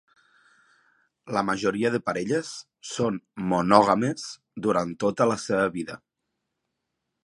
La majoria de parelles són monògames durant tota la seva vida.